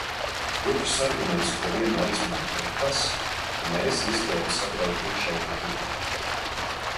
Otrs arguments, ko vienmēr izmanto, ir tas, ka mēs riskējam sagraut iekšējo tirgu.